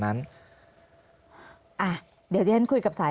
มันเป็นแบบที่สุดท้าย